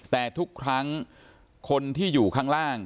แต่ทุกครั้งคนที่อยู่ข้างล่าง